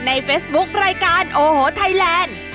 เฟซบุ๊ครายการโอโหไทยแลนด์